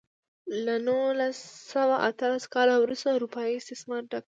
له نولس سوه اتلس کال وروسته اروپايي استعمار ډک کړ.